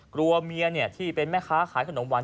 กลัวเมียที่เป็นแม่ค้าขายขนมหวาน